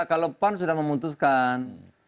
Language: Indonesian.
kalau pan sudah memutuskan